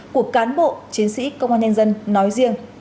của cán bộ chiến sĩ công an nhân dân nói riêng